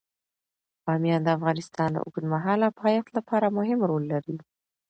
بامیان د افغانستان د اوږدمهاله پایښت لپاره مهم رول لري.